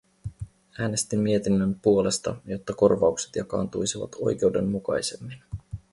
Äänestin mietinnön puolesta, jotta korvaukset jakaantuisivat oikeudenmukaisemmin.